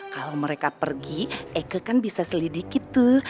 kalau mereka pergi eike kan bisa selidiki tuh